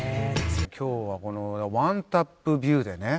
今日はこのＯＮＥタップビューでね